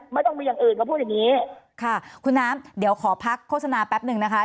ไม่ต้องมีอย่างอื่นมาพูดอย่างนี้ค่ะคุณน้ำเดี๋ยวขอพักโฆษณาแป๊บหนึ่งนะคะ